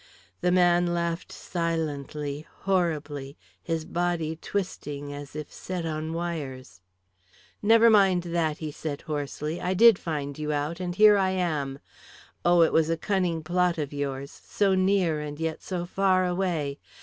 The man laughed silently, horribly, his body twisting as if set on wires. "Never mind that," he said hoarsely. "I did find you out, and here I am. Oh, it was a cunning plot of yours so near and yet so far away.